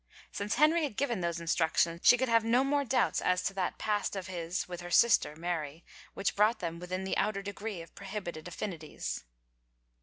Since Henry had given those instructions she could have no more doubts as to that past of his with her sister Mary which brought them within the outer degree of prohibited affinities.